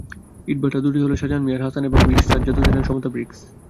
ইটভাটা দুটি হলো শাহজাহান মিয়ার হাসান ব্রিকস এবং সাজ্জাদ হোসেনের সমতা ব্রিকস।